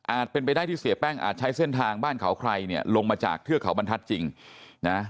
เป็นไปได้ที่เสียแป้งอาจใช้เส้นทางบ้านเขาใครเนี่ยลงมาจากเทือกเขาบรรทัศน์จริงนะ